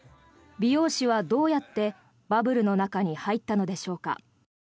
美容師はどうやってバブルの中に入ったのでしょうか。